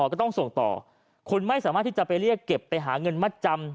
ก็ต้องส่งต่อคุณไม่สามารถที่จะไปเรียกเก็บไปหาเงินมัดจำ